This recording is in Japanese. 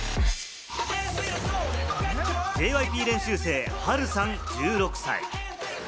ＪＹＰ練習生・ハルさん、１６歳。